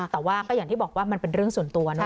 แต่ว่าก็อย่างที่บอกว่ามันเป็นเรื่องส่วนตัวนะ